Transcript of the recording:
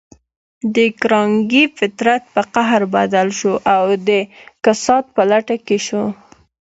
د کارنګي فطرت پر قهر بدل شو او د کسات په لټه کې شو.